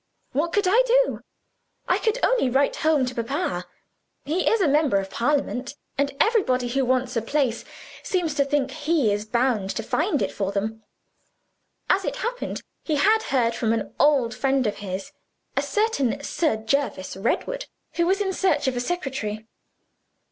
What could I do? I could only write home to papa. He is a member of Parliament: and everybody who wants a place seems to think he is bound to find it for them. As it happened, he had heard from an old friend of his (a certain Sir Jervis Redwood), who was in search of a secretary.